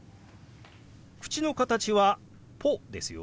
口の形は「ポ」ですよ。